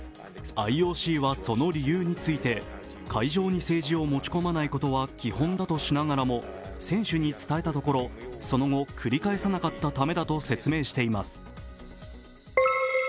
ＩＯＣはその理由について、会場に政治を持ち込まないことは基本だとしながらも選手に伝えたところ、その後繰り返さなかったためだと説明しています。